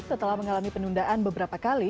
setelah mengalami penundaan beberapa kali